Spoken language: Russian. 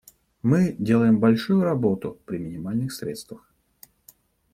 Мы делаем большую работу при минимальных средствах.